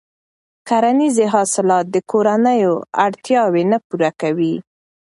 کرنیزې حاصلات د کورنیو اړتیاوې نه پوره کوي.